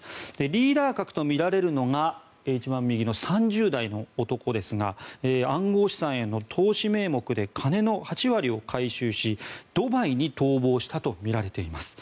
リーダー格とみられるのが一番右の３０代の男ですが暗号資産への投資名目で金の８割を回収しドバイに逃亡したとみられています。